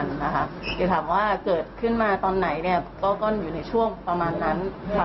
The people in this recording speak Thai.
เดี๋ยวถามว่าเกิดขึ้นมาตอนไหนก็อยู่ในช่วงประมาณนั้น